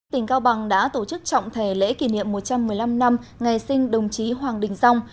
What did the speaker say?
tỉnh cao bằng đã tổ chức trọng thể lễ kỷ niệm một trăm một mươi năm năm ngày sinh đồng chí hoàng đình dòng